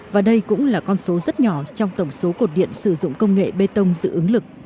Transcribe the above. và đây cũng là con số rất nhỏ trong tổng số cột điện sử dụng công nghệ bê tông dự ứng lực